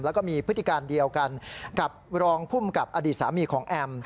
แล้วก็มีพฤติการเดียวกันกับรองภูมิกับอดีตสามีของแอม